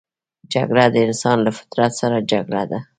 جګړه د انسان له فطرت سره جګړه ده